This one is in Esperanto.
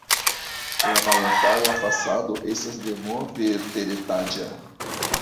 La malantaŭa fasado estas denove teretaĝa.